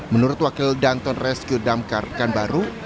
menurut wakil danton rescue damkar pekanbaru